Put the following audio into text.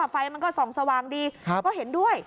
ไฟมันก็ส่องสว่างดีก็เห็นด้วย